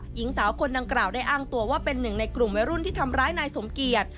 หญิงสาวคนดังกล่าวได้อ้างตัวว่าเป็นหนึ่งในกลุ่มวัยรุ่นที่ทำร้ายนายสมเกียจ